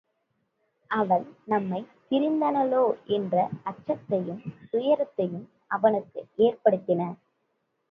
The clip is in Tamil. அவள் நம்மைப் பிரிந்தனளோ என்ற அச்சத்தையும் துயரத்தையும் அவனுக்கு ஏற்படுத்தின.